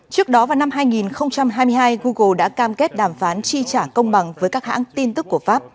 trước đó vào năm hai nghìn hai mươi hai google đã cam kết đàm phán chi trả công bằng với các hãng tin tức của pháp